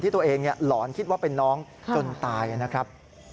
ตัวเองหลอนคิดว่าเป็นน้องจนตายนะครับ